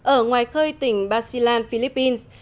ở ngoài khơi tỉnh basilan philippines